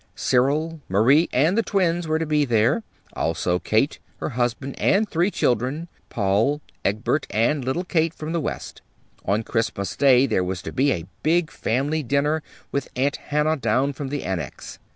Cyril, Marie, and the twins were to be there, also Kate, her husband and three children, Paul, Egbert, and little Kate, from the West. On Christmas Day there was to be a big family dinner, with Aunt Hannah down from the Annex.